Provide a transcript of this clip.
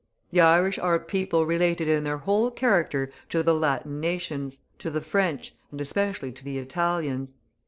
The Irish are a people related in their whole character to the Latin nations, to the French, and especially to the Italians.